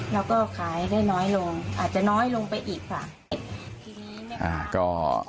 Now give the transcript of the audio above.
โดยจะขายได้น้อยลงอาจจะน้อยลงไปอีกค่ะ